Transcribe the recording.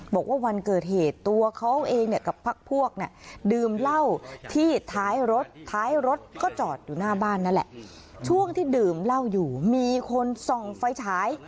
บอกว่าวันเกิดเหตุตัวเขาเองเนี่ยกับพักพวกเนี่ย